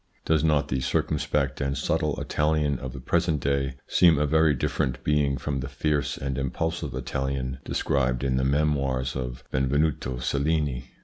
Does not the circumspect and subtle Italian of the present day seem a very different being from the fierce and impulsive Italian described in the Memoirs of Ben venuto Cellini?